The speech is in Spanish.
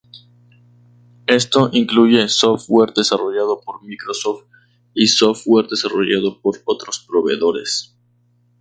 Esto incluye software desarrollado por Microsoft y software desarrollado por otros proveedores.